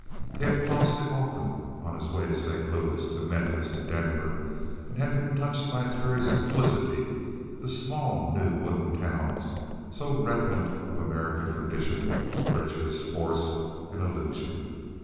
He had crossed it often on his way to St. Louis, to Memphis, to Denver, and had been touched by its very simplicity—the small, new wooden towns, so redolent of American tradition, prejudice, force, and illusion.